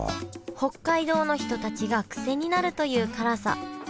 北海道の人たちがクセになるという辛さ。